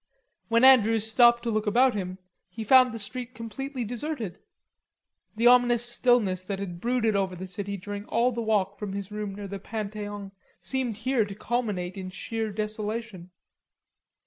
When Andrews stopped to look about him, he found the street completely deserted. The ominous stillness that had brooded over the city during all the walk from his room near the Pantheon seemed here to culminate in sheer desolation.